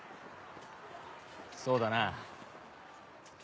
そうだな。